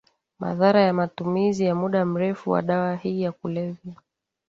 Madhara ya matumizi ya muda mrefu wa dawa hii ya kulevya